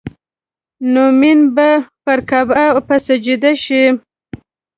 نو مين به پر کعبه او په سجده شي